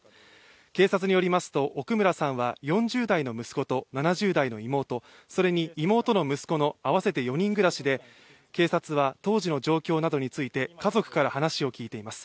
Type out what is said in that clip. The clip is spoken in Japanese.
警察によりますと、奥村さんは４０代の息子と７０代の妹、それに妹の息子の合わせて４人暮らしで警察は当時の状況などについて家族から話を聞いています。